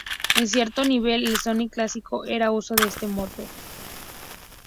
En cierto nivel, el Sonic clásico hará uso de este modo.